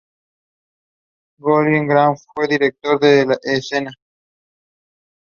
Colin Graham fue director de escena.